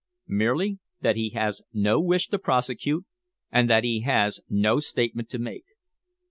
"Merely that he has no wish to prosecute, and that he has no statement to make."